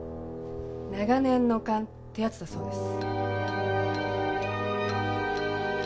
長年の勘ってやつだそうです。